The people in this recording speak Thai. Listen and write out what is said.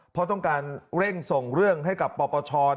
เพราะต้องการเร่งส่งเรื่องให้กับปปช